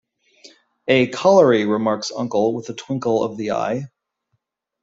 'A colliery,' remarks uncle, with a twinkle of the eye.